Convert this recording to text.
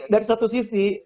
dari satu sisi